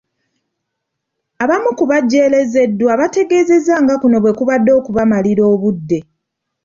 Abamu ku bejjerezeddwa bategeezezza nga kuno bwe kubadde okubamalira obudde.